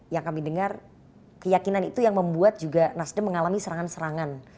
yang kami dengar keyakinan itu yang membuat juga nasdem mengalami serangan serangan